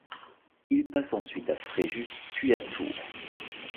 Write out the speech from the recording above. Il passe ensuite à Fréjus, puis à Tours.